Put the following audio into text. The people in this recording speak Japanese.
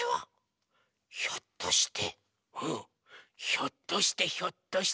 ひょっとしてひょっとして。